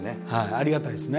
ありがたいですね。